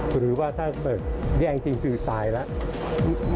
หรือว่าถ้าแย่งจริงตายแล้ว